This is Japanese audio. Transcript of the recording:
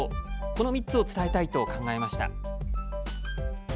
この３つを伝えたいと考えました。